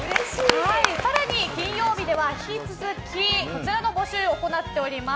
更に金曜日は引き続きこちらの募集を行っております。